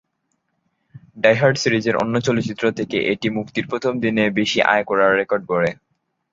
Die Hard সিরিজের অন্য চলচ্চিত্র থেকে এটি মুক্তির প্রথম দিনে বেশি আয় করার রেকর্ড গড়ে।